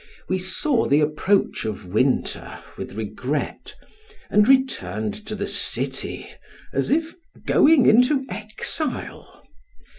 We saw the approach of winter with regret, and returned to the city as if going into exile.